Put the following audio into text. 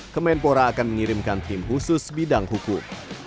kemenpora akan mengirimkan tim khusus bidang hukum